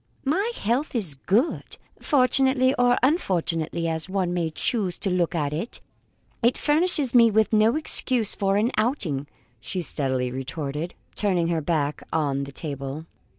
"My health is good. Fortunately, or unfortunately, as one may choose to look at it, it furnishes me with no excuse for an outing," she steadily retorted, turning her back on the table.